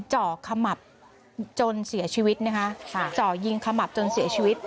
เจาะขมับจนเสียชีวิตนะคะจ่อยิงขมับจนเสียชีวิต